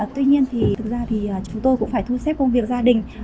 tuy nhiên thực ra chúng tôi cũng phải thu xếp công việc gia đình